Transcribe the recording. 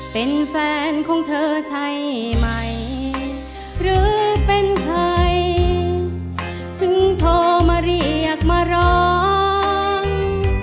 เป็นแฟนของเธอใช่ไหมหรือเป็นใครถึงโทรมาเรียกมาร้อง